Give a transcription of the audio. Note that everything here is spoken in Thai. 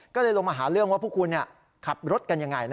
ก็เลยลงมาหาเรื่องว่าพวกคุณขับรถกันยังไง